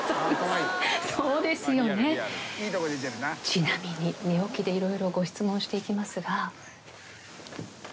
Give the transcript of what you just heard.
「ちなみに寝起きで色々ご質問していきますが」